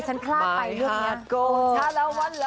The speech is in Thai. ชาลวัลละวัล